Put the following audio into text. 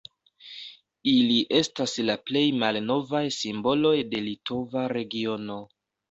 Ili estas la plej malnovaj simboloj de litova regiono.